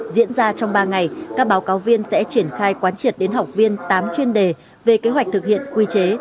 diễn ra trong ba ngày các báo cáo viên sẽ triển khai quán triệt đến học viên tám chuyên đề về kế hoạch thực hiện quy chế